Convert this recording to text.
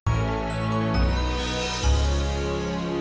jangan lupa like subscribe dan share ya